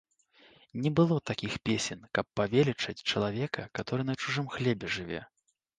Не было такіх песень, каб павелічаць чалавека, каторы на чужым хлебе жыве.